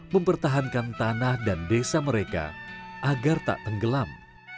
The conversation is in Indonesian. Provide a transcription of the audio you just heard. mempertahankan tanah dan desa mereka agar tak tenggelam